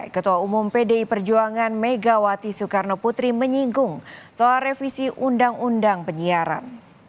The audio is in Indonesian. ketua umum pdi perjuangan megawati soekarno putri menyinggung soal revisi undang undang penyiaran